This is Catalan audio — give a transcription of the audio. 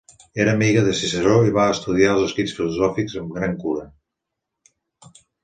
Era amiga de Ciceró i va estudiar els escrits filosòfics amb gran cura.